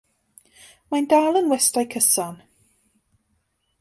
Mae'n dal yn westai cyson.